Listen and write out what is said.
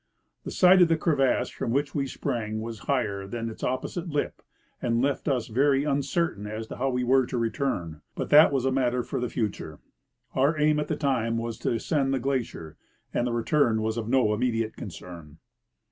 The side of the crevasse from which we sprang was higher than its opposite lip, and left us very un certain as to how we were to return ; but that was a matter for the future ; our aim at the time was to ascend the glacier, and the return was of no immediate concern.